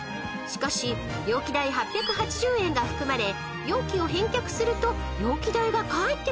［しかし容器代８８０円が含まれ容器を返却すると容器代が返ってくる仕組み］